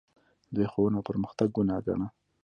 دوی ښوونه او پرمختګ ګناه ګڼله